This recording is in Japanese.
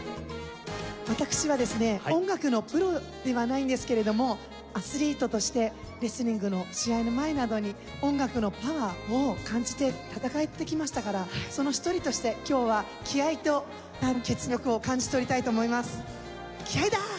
私はですね音楽のプロではないんですけれどもアスリートとしてレスリングの試合の前などに音楽のパワーを感じて戦ってきましたからその一人として今日は気合だー！